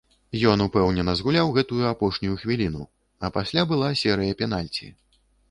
Ён упэўнена згуляў гэтую апошнюю хвіліну, а пасля была серыя пенальці.